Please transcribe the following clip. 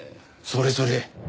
それそれ。